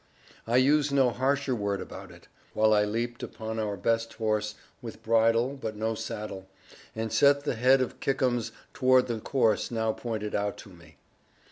I use no harsher word about it, while I leaped upon our best horse, with bridle, but no saddle, and set the head of Kickums toward the course now pointed out to me.